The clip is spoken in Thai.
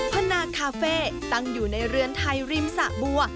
พนาคาเฟ่ตั้งอยู่ในเรือนไทยริมสะบัว